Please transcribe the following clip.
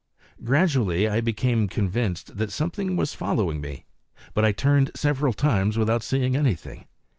Gradually I became convinced that something was following me; but I turned several times without seeing anything.